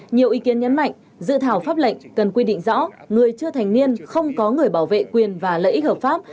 nhiều ý kiến nhấn mạnh dự thảo pháp lệnh cần quy định rõ người chưa thành niên không có người bảo vệ quyền và lợi ích hợp pháp